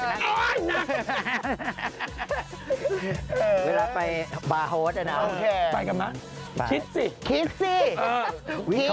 เวลาไปบาร์โฮอิทก็รู้แต่ได้